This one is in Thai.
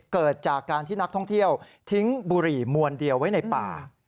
เกิดจากการที่นักท่องเที่ยวทิ้งบุหรี่มวลเดียวไว้ในป่า